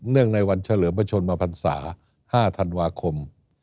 เนื่องในวันเฉลิมประชนมาพรรษา๕ธันวาคม